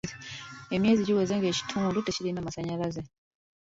Emyezi giweze ng'ekitundu tekirina masannyalaze.